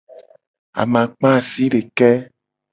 Amakpa asideke.